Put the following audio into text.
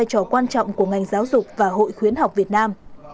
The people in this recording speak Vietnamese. có quan trọng của ngành giáo dục và hội khuyến học việt nam